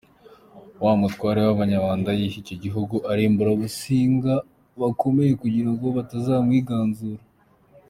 Wa mutware w’Ababanda yiha icyo gihugu, arimbura Abasinga bakomeye kugirango batazamwiganzura.